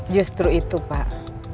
justru itu pak